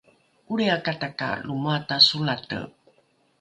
’olriakata ka lo moata solate